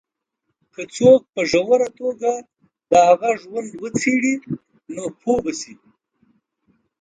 که څوک په ژوره توګه د هغه ژوند وڅېـړي، نو پوه به شي.